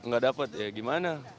gak dapet ya gimana